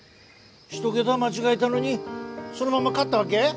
一桁間違えたのにそのまま買ったわけ？